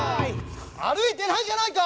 あるいてないじゃないか！